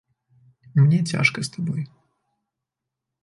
Мне цяжка з табой.